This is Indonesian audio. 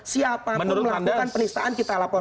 siapa pun melakukan penistaan kita laporkan